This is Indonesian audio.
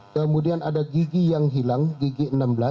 kemudian ada gigi yang hilang gigi enam belas